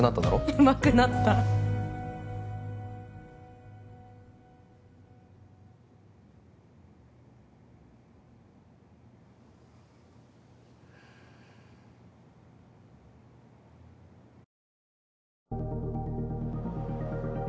うまくなったお？